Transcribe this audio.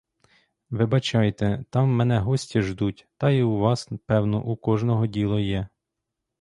Вибачайте, там мене гості ждуть, та й у вас, певно, у кожного діло є?